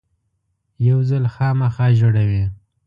یو ځل خامخا ژړوي .